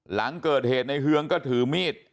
หลังเกิดเหตุในเฮืองก็ถือมีด